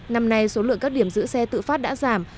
năm nay số lượng các điểm giữ xe tự phát đã giảm